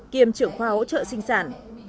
kiêm trưởng khoa hỗ trợ sinh sản